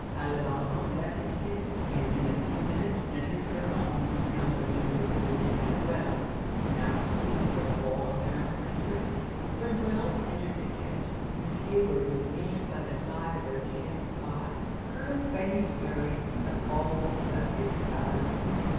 Alibamo left his tent, and in a few minutes entered her own, in company with Lieutenant Wells, now free from all apparent restraint. When Wells entered the tent, Miss Hayward was kneeling by the side of her camp cot, her face buried in the folds of its coverings.